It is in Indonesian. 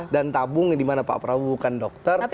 dan tabung dimana pak prabowo bukan dokter